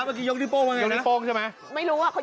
เมื่อกี้ยกนิ้วโป้งใช่ไหมยกนิ้โป้งใช่ไหมไม่รู้อ่ะ